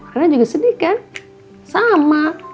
karena juga sedih kan sama